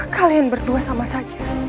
kalian berdua sama saja